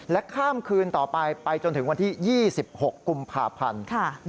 ข้ามคืนต่อไปไปจนถึงวันที่๒๖กุมภาพันธ์